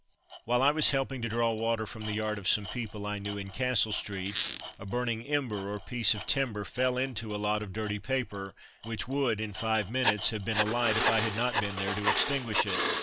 While I was helping to draw water from the yard of some people I knew in Castle street, a burning ember or piece of timber fell into a lot of dirty paper which would in five minutes have been alight if I had not been there to extinguish it.